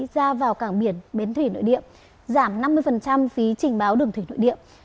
ra vào cảng biển bến thủy nội địa giảm năm mươi phí trình báo đường thủy nội địa